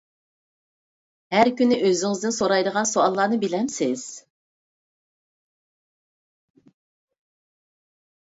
ھەر كۈنى ئۆزىڭىزدىن سورايدىغان سوئاللارنى بىلەمسىز؟